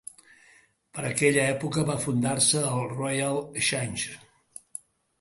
Per aquella època va fundar-se el Royal Exchange.